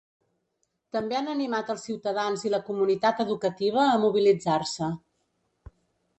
També han animat els ciutadans i la comunitat educativa a mobilitzar-se.